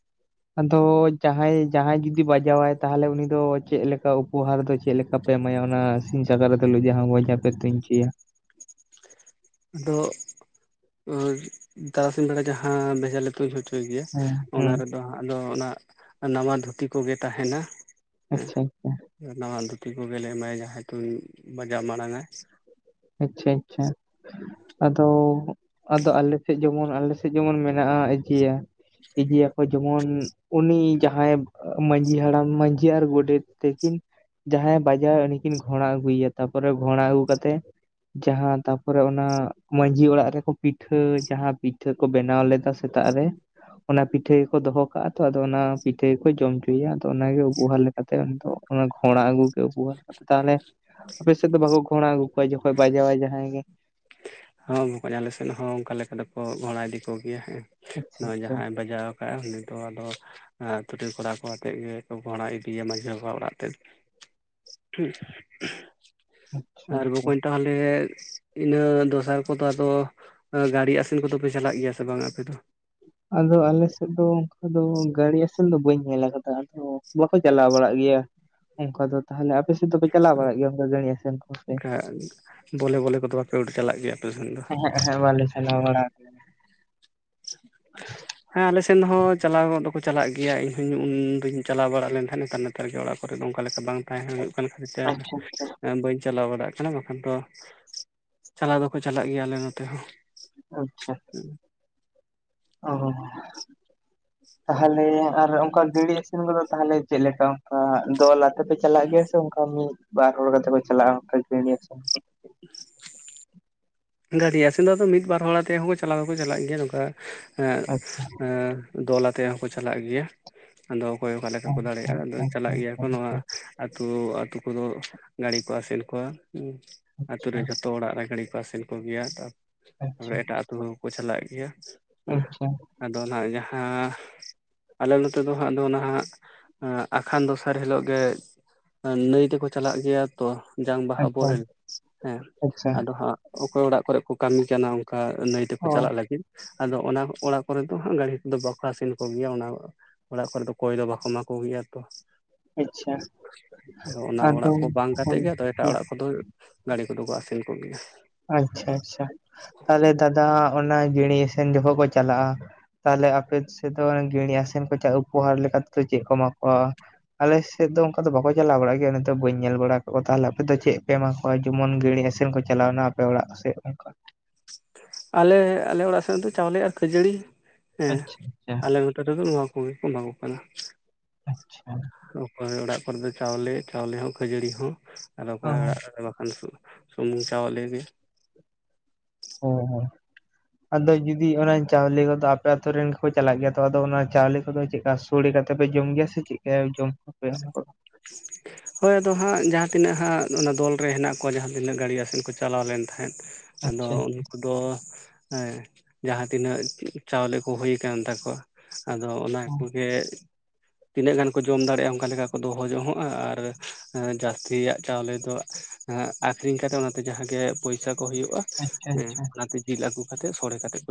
[inaudible] ᱟᱫᱚ ᱡᱟᱦᱟᱸᱭ ᱡᱟᱦᱟᱸᱭ ᱡᱩᱫᱤ ᱵᱟᱡᱟᱣᱟᱭ ᱛᱟᱦᱟᱞᱮ ᱩᱱᱤ ᱫᱚ ᱪᱮᱜ ᱞᱮᱠᱟ ᱩᱯᱚᱦᱟᱨ ᱫᱚ ᱪᱮᱜ ᱞᱮᱠᱟ? ᱠᱟᱯᱮ ᱮᱢᱟᱭᱟ ᱚᱱᱟ ᱥᱤᱧ ᱥᱟᱠᱨᱟᱛ ᱟᱹᱞᱩ ᱡᱟᱦᱟᱸ ᱵᱚᱡᱷᱟ ᱯᱮ ᱛᱩᱧ ᱚᱪᱚᱭᱟ? ᱟᱫᱚ [unintelligible] ᱛᱟᱨᱟᱥᱤᱧ ᱵᱮᱲᱟ ᱡᱟᱦᱟᱸ ᱵᱮᱡᱷᱟ ᱞᱮ ᱛᱩᱧ ᱦᱚᱪᱚ ᱪᱩᱭ ᱜᱮᱭᱟ ᱦᱩᱸ ᱚᱱᱟ ᱦᱩᱸ ᱨᱮᱫᱚ ᱦᱟᱜᱫᱚ ᱚᱱᱟ ᱱᱟᱣᱟ ᱫᱷᱩᱛᱤ ᱠᱚᱜᱮ ᱛᱟᱦᱮᱸᱱᱟ ᱾ ᱟᱪᱪᱷᱟ [unintelligible] ᱱᱟᱣᱟ ᱫᱷᱩᱛᱤ ᱠᱚᱜᱮᱞᱮ ᱮᱢᱟᱭ ᱡᱟᱦᱟᱸᱭ ᱛᱩᱧ ᱵᱟᱡᱟᱣ ᱢᱟᱲᱟᱝ-ᱟᱭ ᱾ ᱟᱪᱪᱷᱟ ᱟᱪᱪᱷᱟ᱾ ᱟᱫᱚ ᱟᱫᱚ ᱟᱞᱮᱥᱮᱜ ᱡᱮᱢᱚᱱ ᱟᱞᱮᱥᱮᱫ ᱡᱮᱢᱚᱱ ᱢᱮᱱᱟᱜᱼᱟ ᱤᱪᱤᱭᱟ ᱾ ᱤᱫᱤᱭᱟᱠᱚ ᱢᱚᱱ ᱩᱱᱤ ᱡᱟᱦᱟᱸᱭ ᱢᱟᱺᱡᱷᱤ ᱦᱟᱲᱟᱢ ᱢᱟᱺᱡᱷᱤ ᱟᱨ ᱜᱚᱰᱮᱛ ᱛᱤᱠᱤᱱ, ᱡᱟᱦᱟᱸᱭᱮ ᱵᱟᱡᱟᱣᱟ ᱩᱱᱤᱠᱤᱱ ᱜᱷᱚᱲᱟ ᱟᱹᱜᱩᱭᱮᱭᱟ ᱛᱟᱯᱚᱨᱮ ᱜᱷᱚᱲᱟ ᱟᱹᱜᱩ ᱠᱟᱛᱮᱜ᱾ ᱡᱟᱦᱟᱸ ᱛᱟᱯᱚᱨᱮ ᱚᱱᱟ ᱢᱟᱺᱡᱷᱤ ᱚᱲᱟᱜ ᱨᱮᱠᱚ ᱯᱤᱴᱷᱟᱹ ᱡᱟᱦᱟᱸ ᱯᱤᱴᱷᱟᱹ ᱠᱚ ᱵᱮᱱᱟᱣ ᱞᱮᱫᱟ ᱥᱮ ᱥᱮᱛᱟᱜ ᱨᱮ᱾ ᱚᱱᱟ ᱯᱤᱴᱷᱟᱹ ᱜᱮ ᱠᱚ ᱫᱚᱦᱚ ᱠᱟᱜᱼᱟ ᱛᱚ, ᱟᱫᱚ ᱚᱱᱟ ᱯᱤᱴᱷᱟᱹ ᱜᱮ ᱠᱚ ᱡᱚᱢ ᱚᱪᱚᱭᱮᱭᱟ ᱟᱫᱚ ᱚᱱᱟᱜᱮ ᱩᱵᱚᱦᱟᱼᱼ ᱠᱟᱛᱮᱜ ᱫᱚ ᱚᱱᱟ ᱜᱷᱚᱬᱟ ᱟᱹᱜᱩ ᱠᱮᱫ ᱠᱚᱣᱟ ᱾ ᱛᱟᱦᱚᱞᱮ ᱟᱯᱮ ᱥᱮᱫ ᱫᱚ ᱵᱟᱠᱚ ᱜᱷᱚᱬᱟ ᱟᱹᱜᱩ ᱠᱚᱣᱟ ᱡᱚᱠᱷᱚᱱᱼᱼ ᱵᱟᱡᱟᱭᱟᱭ ᱡᱟᱦᱟᱸᱭ ᱜᱮ ᱾ ᱦᱚᱸ ᱠᱚ ᱟᱞᱮ ᱥᱮᱫ ᱦᱚᱸ ᱚᱱᱠᱟ ᱞᱮᱠᱟ ᱫᱚᱠᱚ ᱜᱷᱚᱬᱟ ᱤᱫᱤ ᱠᱚᱜᱮᱭᱟ ᱟᱪᱪᱷᱟ ᱱᱚᱜᱼᱚᱭ ᱟᱪᱪᱷᱟ ᱡᱟᱦᱟᱸᱭ ᱵᱟᱡᱟᱣᱼᱼ ᱟᱞᱮᱥᱮᱫ ᱫᱚ ᱟᱫᱚᱼᱼ ᱛᱩᱴᱤ ᱠᱚᱨᱟᱣ ᱠᱚ ᱠᱟᱛᱮᱫ ᱜᱮ ᱜᱷᱚᱬᱟ ᱤᱫᱤᱭᱮᱭᱟ ᱢᱟᱹᱡᱷᱤ ᱵᱟᱵᱟᱣᱟᱜ ᱚᱲᱟᱜ ᱛᱮ ᱾ ᱟᱪᱪᱷᱟ ᱦᱮᱸ ᱟᱨ ᱟᱪᱪᱷᱟ ᱵᱚᱠᱚᱧ ᱛᱟᱦᱞᱮ ᱤᱱᱟᱹ ᱫᱚᱥᱼᱼ ᱥᱟᱨ ᱠᱚᱫᱚ ᱟᱫᱚ, ᱮ ᱜᱟᱹᱬᱤ ᱟᱥᱮᱱ ᱠᱚᱫᱚ ᱯᱮ ᱪᱟᱞᱟᱜ ᱜᱮᱭᱟ ᱥᱮ ᱵᱟᱝ ᱟᱯᱮ ᱫᱚ? ᱟᱫᱚ ᱟᱞᱮ ᱥᱮᱫ ᱫᱚ ᱚᱱᱠᱟ ᱫᱚ ᱜᱟᱺᱬᱤ ᱟᱥᱮᱱ ᱫᱚ ᱵᱟᱹᱧ ᱧᱮᱞ ᱟᱠᱟᱫᱟ, ᱟᱫᱚ ᱵᱟᱠᱚ ᱪᱟᱞᱟᱣ ᱵᱟᱲᱟᱜ ᱜᱮᱭᱟ ᱾ ᱦ [inaudible] ᱚᱱᱠᱟ ᱫᱚ ᱛᱟᱦᱚᱞᱮ ᱟᱯᱮ ᱥᱮᱫ ᱫᱚᱯᱮ ᱪᱟᱞᱟᱣ ᱵᱟᱲᱟᱜ ᱜᱮᱭᱟ ᱚᱱᱠᱟ ᱜᱟᱺᱬᱤ ᱟᱥᱮᱱ ᱠᱚ ᱥᱮᱱ? ᱟᱨᱼᱼ ᱵᱚᱞᱮ ᱵᱚᱞᱮ ᱠᱚᱫᱚ ᱵᱟᱯᱮ ᱩᱰ ᱪᱟᱞᱟᱜ ᱜᱮᱭᱟ? ᱟᱯᱮ ᱥᱮᱱ ᱫᱚ ᱚᱹᱦᱚᱜ ᱚᱦᱚᱸᱜ ᱵᱟᱞᱮ ᱪᱟᱞᱟᱣ ᱵᱟᱲᱟᱜᱼᱟ ᱾ [inaudible] ᱦᱮᱸ ᱟᱞᱮ ᱥᱮᱱ ᱦᱚᱸ ᱪᱟᱞᱟᱣ ᱫᱚᱠᱚ ᱪᱟᱞᱟᱜ ᱜᱮᱭᱟ, ᱤᱧ ᱦᱚᱸᱧ ᱩᱱ ᱫᱚᱧ ᱪᱟᱞᱟᱣ ᱵᱟᱲᱟ ᱞᱮᱱ ᱛᱟᱦᱮᱸᱱ ᱱᱮᱛᱟᱨ [unintelligible] ᱱᱮᱛᱟᱨ ᱜᱮ ᱚᱲᱟᱜ ᱠᱚᱨᱮ ᱫᱚ ᱚᱱᱠᱟ ᱞᱮᱠᱟ ᱵᱟᱝ ᱛᱟᱦᱮᱸᱱ ᱦᱩᱭᱩᱜ ᱠᱟᱱ ᱠᱷᱟᱹᱛᱤᱨ ᱛᱮ, ᱟᱪᱪᱷᱟ ᱮᱱ ᱵᱟᱹᱧᱼᱼ ᱪᱟᱞᱟᱣ ᱵᱟᱲᱟᱜ ᱠᱟᱱᱟ ᱵᱟᱠᱷᱟᱱ ᱫᱚ, ᱪᱟᱞᱟᱣ ᱫᱚᱠᱚ ᱪᱟᱞᱟᱜ ᱜᱮᱭᱟ ᱟᱞᱮ ᱱᱚᱛᱮ ᱦᱚᱸ ᱾ ᱟᱪᱪᱷᱟ ᱚᱦᱚᱼᱼ ᱛᱟᱦᱚᱞᱮ ᱟᱨ ᱚᱱᱠᱟ ᱜᱟᱺᱬᱤ ᱟᱥᱮᱱ ᱠᱚᱫᱚ ᱛᱟᱦᱚᱞᱮ ᱪᱮᱫ ᱞᱮᱠᱟ? ᱚᱱᱠᱟ ᱫᱚᱞᱟᱛᱮᱼᱼ ᱨᱮᱯᱮ ᱪᱟᱞᱟᱜ ᱜᱮᱭᱟ, ᱥᱮ ᱚᱱᱠᱟ ᱢᱤᱫ ᱵᱟᱨ ᱦᱚᱲ ᱠᱟᱛᱮ ᱠᱚ ᱪᱟᱞᱟᱜᱼᱟ ᱚᱱᱠᱟ ᱜᱟᱺᱬᱤ ᱟᱥᱮᱱ ᱠᱚ? [unintelligible] ᱜᱟᱺᱬᱤ ᱟᱥᱮᱱ ᱟᱫᱚ ᱢᱤᱫ ᱵᱟᱨ ᱦᱚᱲ ᱟᱛᱮ ᱦᱚᱸ ᱠᱚ ᱪᱟᱞᱟᱣ ᱫᱚᱠᱚ ᱪᱟᱞᱟᱜ ᱜᱮᱭᱟ ᱱᱚᱝᱠᱟ ᱟᱸ ᱟᱪᱪᱷᱟ ᱟᱸᱼᱼ ᱫᱚᱞ ᱟᱛᱮᱜ ᱦᱚᱸᱠᱚ ᱪᱟᱞᱟᱜ ᱜᱮᱭᱟ, ᱟᱫᱚ ᱚᱠᱚᱭ ᱚᱠᱟ ᱞᱮᱠᱟ ᱠᱚ ᱫᱟᱲᱮᱭᱟᱜᱼᱟ ᱟᱫᱚ ᱪᱟᱞᱟᱜ ᱜᱮᱭᱟ ᱠᱚ ᱱᱚᱣᱟᱼᱼ ᱟᱹᱛᱩ ᱟᱹᱛᱩ ᱠᱚᱨᱮᱫ ᱜᱟᱺᱬᱤ ᱠᱚ ᱟᱥᱮᱱ ᱠᱚᱣᱟ ᱮᱸ ᱟᱛᱩ ᱨᱮᱱ ᱫᱚ ᱾ ᱡᱚᱛᱚ ᱚᱲᱟᱜ ᱨᱮ ᱜᱟᱺᱬᱤ ᱠᱚ ᱟᱥᱮᱱ ᱠᱚ ᱜᱮᱭᱟ, ᱛᱟᱯᱚᱨᱮ ᱟᱪᱪᱷᱟ ᱟᱪᱪᱷᱟ ᱮᱴᱟᱜ ᱟᱹᱛᱩ ᱦᱚᱸᱠᱚ ᱪᱟᱞᱟᱜ ᱜᱮᱭᱟ ᱾ ᱟᱪᱪᱷᱟ ᱾ ᱟᱫᱚ ᱱᱟᱸᱜ ᱡᱟᱦᱟᱸᱼᱼ ᱟᱞᱮ ᱱᱚᱛᱮ ᱫᱚ ᱦᱟᱸᱜ ᱫᱚ ᱱᱟᱦᱟᱸᱜ ᱟᱠᱷᱟᱱ ᱫᱚᱥᱟᱨ ᱦᱤᱞᱚᱜ ᱜᱮᱼᱼ ᱱᱟᱹᱭ ᱛᱮᱠᱚ ᱪᱟᱞᱟᱜ ᱜᱮᱭᱟ ᱛᱚ ᱾ ᱡᱟᱝ ᱵᱟᱦᱟ ᱟᱪᱪᱷᱟ ᱟᱪᱪᱷᱟ ᱵᱚᱦᱮᱞ, ᱦᱮᱸ ᱟᱪᱪᱷᱟ ᱟᱪᱪᱷᱟ ᱟᱫᱚ ᱦᱟᱸᱜ ᱚᱠᱚᱭ ᱚᱲᱟᱜ ᱠᱚᱨᱮ ᱠᱚ ᱠᱟᱹᱢᱤ ᱠᱟᱱᱟ ᱚᱱᱠᱟ ᱱᱟᱹᱭᱼᱼ ᱛᱮᱠᱚ ᱚ ᱪᱟᱞᱟᱜ ᱞᱟᱹᱜᱤᱫ, ᱟᱫᱚ ᱚᱱᱟ ᱚᱲᱟᱜ ᱠᱚᱨᱮ ᱫᱚ ᱦᱟᱸᱜ ᱜᱟᱺᱬᱤ ᱠᱚᱫᱚ ᱵᱟᱠᱚ ᱟᱥᱮᱱ ᱠᱚᱜᱮᱭᱟ ᱱᱟᱜ ᱾ ᱚᱲᱟᱜ ᱠᱚᱨᱮ ᱫᱚ ᱠᱚᱭ ᱫᱚ ᱵᱟᱠᱚ ᱮᱢᱟ ᱠᱚ ᱜᱮᱭᱟ ᱛᱚ ᱾ ᱟᱪᱪᱷᱟ ᱟᱫᱚ ᱚᱱᱟ ᱚᱲᱟᱜ ᱠᱚ ᱵᱟᱝ ᱠᱟᱛᱮ ᱦᱳᱭ ᱜᱮ ᱟᱫᱚ ᱦᱳᱭ ᱮᱴᱟᱜ ᱚᱲᱟᱜ ᱠᱚᱫᱚᱼᱼ ᱜᱟᱺᱬᱤ ᱠᱚᱫᱚ ᱠᱚ ᱟᱹᱥᱩᱞ ᱠᱚ ᱜᱮᱭᱟ ᱾ ᱟᱪᱪᱷᱟ ᱟᱪᱪᱷᱟ, ᱛᱟᱦᱚᱞᱮ ᱫᱟᱫᱟ ᱚᱱᱟ ᱜᱟᱺᱬᱤ ᱟᱥᱮᱱ ᱡᱚᱠᱷᱚᱱ ᱠᱚ ᱪᱟᱞᱟᱜᱼᱟᱼᱼ ᱛᱟᱦᱚᱞᱮ ᱟᱯᱮ ᱥᱮᱫ ᱫᱚ ᱜᱟᱺᱬᱤ ᱟᱥᱮᱱ ᱠᱚ [inaudible] ᱩᱯᱚᱦᱟᱨ ᱞᱮᱠᱟ ᱛᱮᱫᱚ ᱪᱮᱫ ᱠᱚ ᱮᱢᱟ ᱠᱚᱣᱟ? ᱟᱞᱮᱥᱮᱫ ᱫᱚ ᱚᱱᱠᱟ ᱫᱚ ᱵᱟᱠᱚ ᱪᱟᱞᱟᱣ ᱵᱟᱲᱟᱜ ᱜᱮᱭᱟ, ᱱᱤᱛ ᱵᱟᱹᱧ ᱧᱮᱞ ᱵᱟᱲᱟ ᱟᱠᱟᱫ ᱠᱚᱣᱟ ᱛᱟᱦᱚᱞᱮ ᱟᱯᱮ ᱫᱚ ᱪᱮᱫ ᱯᱮ ᱮᱢᱟᱼᱼ ᱱᱚᱜᱼᱚᱭ ᱡᱮᱢᱚᱱ ᱜᱟᱺᱬᱤ ᱟᱥᱮᱱ ᱠᱚ ᱪᱟᱞᱟᱣᱮᱱᱟ ᱟᱯᱮ ᱚᱲᱟᱜ ᱥᱮᱫ ᱚᱱᱠᱟ ᱾ ᱟᱞᱮ ᱟᱞᱮ ᱚᱲᱟᱜ ᱥᱮᱫ ᱫᱚ ᱪᱟᱣᱞᱮ ᱟᱨ ᱠᱷᱟᱹᱡᱟᱹᱲᱤ ᱦᱮᱸ ᱟᱪᱪᱷᱟ ᱟᱪᱪᱷᱟ ᱟᱞᱮ ᱼᱼ ᱱᱚᱛᱮ ᱫᱚ ᱱᱚᱣᱟ ᱠᱚᱜᱮ ᱠᱚ ᱮᱢᱟ ᱠᱚ ᱠᱟᱱᱟ? ᱟᱪᱪᱷᱟ ᱾ ᱚᱠᱚᱭ ᱚᱲᱟᱜ ᱠᱚᱨᱮᱫᱚ ᱪᱟᱣᱞᱮ, ᱪᱟᱣᱞᱮ ᱦᱚᱸ ᱠᱷᱟᱹᱡᱟᱹᱲᱤ ᱦᱚᱸ, ᱟᱨ ᱚ ᱚᱠᱚᱭᱟᱜ ᱚᱲᱟᱜ ᱨᱮᱫᱚ ᱮᱠᱮᱱᱼᱼ ᱦᱩᱸ ᱪᱟᱣᱞᱮ ᱜᱮ ᱾ ᱦᱮᱸ ᱦᱮᱸ ᱟᱫᱚ ᱡᱩᱫᱤ ᱚᱱᱮ ᱪᱟᱣᱞᱮ ᱠᱚᱫᱚ ᱟᱯᱮ ᱟᱛᱩᱨ ᱨᱮᱱ ᱜᱮᱠᱚ ᱪᱟᱞᱟᱜ ᱜᱮᱭᱟ ᱛᱚ ᱟᱫᱚ ᱚᱱᱟ ᱪᱟᱣᱞᱮ ᱠᱚᱫᱚ ᱪᱮᱫᱠᱟ ᱥᱳᱲᱮ ᱠᱟᱛᱮ ᱯᱮ ᱡᱚᱢ ᱜᱮᱭᱟ ᱥᱮ ᱪᱮᱫᱠᱟ ᱡᱚᱢ ᱠᱚᱯᱮ [inaudible] ᱦᱳᱭ ᱟᱫᱚ ᱦᱟᱸᱜ ᱡᱟᱦᱟᱸ ᱛᱤᱱᱟᱹᱜ ᱦᱟᱸᱜ ᱚᱱᱟ ᱫᱚᱞ ᱨᱮ ᱦᱮᱱᱟᱜ ᱠᱚᱣᱟ ᱡᱟᱦᱟᱸ ᱛᱤᱱᱟᱹᱜ ᱜᱟᱹᱬᱤ ᱟᱥᱮᱱ ᱠᱚ ᱪᱟᱞᱟᱣ ᱞᱮᱱ ᱛᱟᱦᱮᱸᱫ, ᱟᱫᱚ ᱟᱪᱪᱷᱟ ᱩᱱᱠᱩ ᱫᱚ ᱦᱮᱸ ᱡᱟᱦᱟᱸ ᱛᱤᱱᱟᱹᱜ ᱪᱟᱣᱞᱮ ᱠᱚ ᱦᱩᱭ ᱟᱠᱟᱱ ᱛᱟᱠᱚᱣᱟ, ᱟᱫᱚ ᱚᱱᱟ ᱠᱚᱜᱮ ᱛᱤᱱᱟᱹᱜ ᱜᱟᱱ ᱠᱚ ᱡᱚᱢ ᱫᱟᱲᱮᱜ-ᱟ ᱚᱝᱠᱟ ᱞᱮᱠᱟ ᱠᱚ ᱫᱚ ᱦᱚᱸ ᱡᱚᱝᱚ ᱟ ᱟᱨ ᱡᱟᱹᱥᱛᱤᱭᱟᱜ ᱪᱟᱣᱞᱮ ᱫᱚ ᱟᱠᱷᱨᱤᱧ ᱠᱟᱛᱮᱜ ᱚᱱᱟᱛᱮ ᱡᱟᱦᱟᱸᱜᱮ ᱯᱩᱭᱥᱟ ᱠᱚ ᱦᱩᱭᱩᱜ-ᱟ ᱟᱪᱪᱷᱟ ᱦᱮᱸ ᱟᱪᱪᱷᱟ ᱚᱱᱟᱛᱮ ᱡᱤᱞ ᱟᱹᱜᱩ ᱠᱟᱛᱮᱜ ᱥᱚᱲᱮ ᱠᱟᱛᱮᱜ